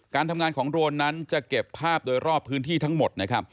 การทำงานของโดรนนั้นจะเก็บภาพโดยรอบพื้นที่ทั้งหมดนะครับ